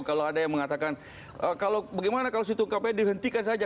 kalau ada yang mengatakan kalau bagaimana kalau si tung kpu dihentikan saja